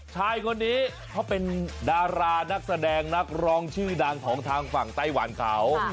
ชายคนนี้เขาเป็นดารานักแสดงนักร้องชื่อดังของทางฝั่งไต้หวันเขา